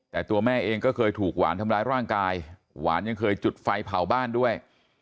แต่ตัวแม่เองก็เคยถูกหวานทำร้ายร่างกายหวานยังเคยจุดไฟเผาบ้านด้วย